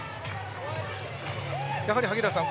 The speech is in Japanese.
やはり萩原さん